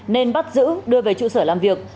nên bắt giữ đưa về trụ sở làm việc